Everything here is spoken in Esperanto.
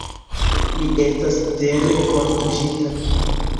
Mi estas vere kortuŝita.